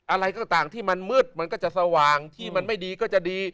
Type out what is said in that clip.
อะไรก็ตามที่มันมืดมันก็จะสว่างที่มันไม่ดีก็จะดี